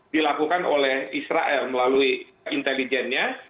dilakukan oleh israel melalui intelijennya